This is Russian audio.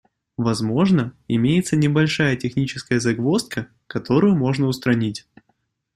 Возможно, имеется небольшая техническая загвоздка, которую можно устранить.